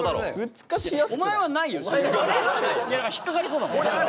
引っ掛かりそうだもん。